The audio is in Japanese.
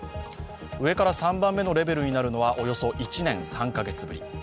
上から３番目のレベルになるのはおよそ１年３カ月ぶり。